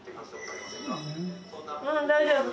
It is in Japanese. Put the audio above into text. うん大丈夫？